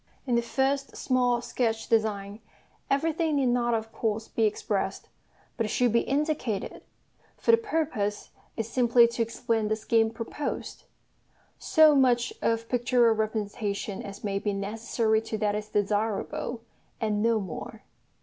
In the first small sketch design, everything need not of course be expressed; but it should be indicated for the purpose is simply to explain the scheme proposed: so much of pictorial representation as may be necessary to that is desirable, and no more.